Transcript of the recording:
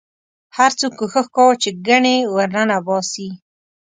هر څوک کوښښ کاوه چې ګنې ورننه باسي.